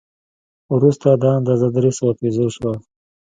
وروسته دا اندازه درې سوه پیزو شوه.